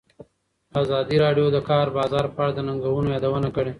ازادي راډیو د د کار بازار په اړه د ننګونو یادونه کړې.